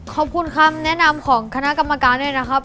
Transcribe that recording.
คำแนะนำของคณะกรรมการด้วยนะครับ